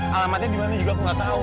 alamatnya dimana juga aku gak tau